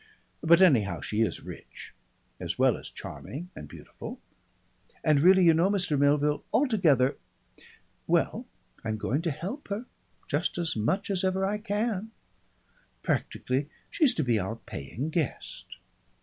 But anyhow, she is rich, as well as charming and beautiful. And really you know, Mr. Melville, altogether Well, I'm going to help her, just as much as ever I can. Practically, she's to be our paying guest.